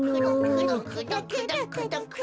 くどくどくどくど。